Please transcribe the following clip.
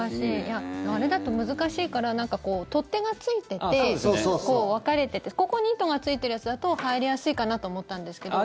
あれだと難しいから取っ手がついててこう分かれててここに糸がついてるやつだと入りやすいかなと思ったんですけど。